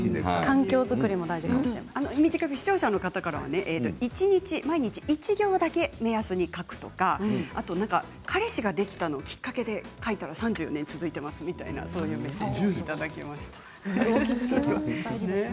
視聴者の方は毎日１行だけ目安に書くとか彼氏ができたのをきっかけで書いたら３４年続いていますというメッセージをいただきました。